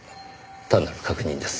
単なる確認です。